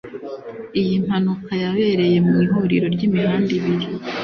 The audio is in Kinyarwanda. Iyi mpanuka yabereye mu ihuriro ry’imihanda ibiri